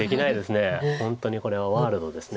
本当にこれはワールドです。